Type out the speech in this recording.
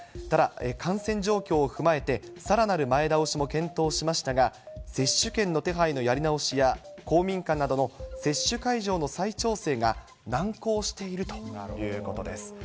ただ、感染状況を踏まえて、さらなる前倒しも検討しましたが、接種券の手配のやり直しや、公民館などの接種会場の再調整が難航しているということです。